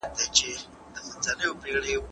افغان ښځي د ډیموکراتیکي رایې ورکولو حق نه لري.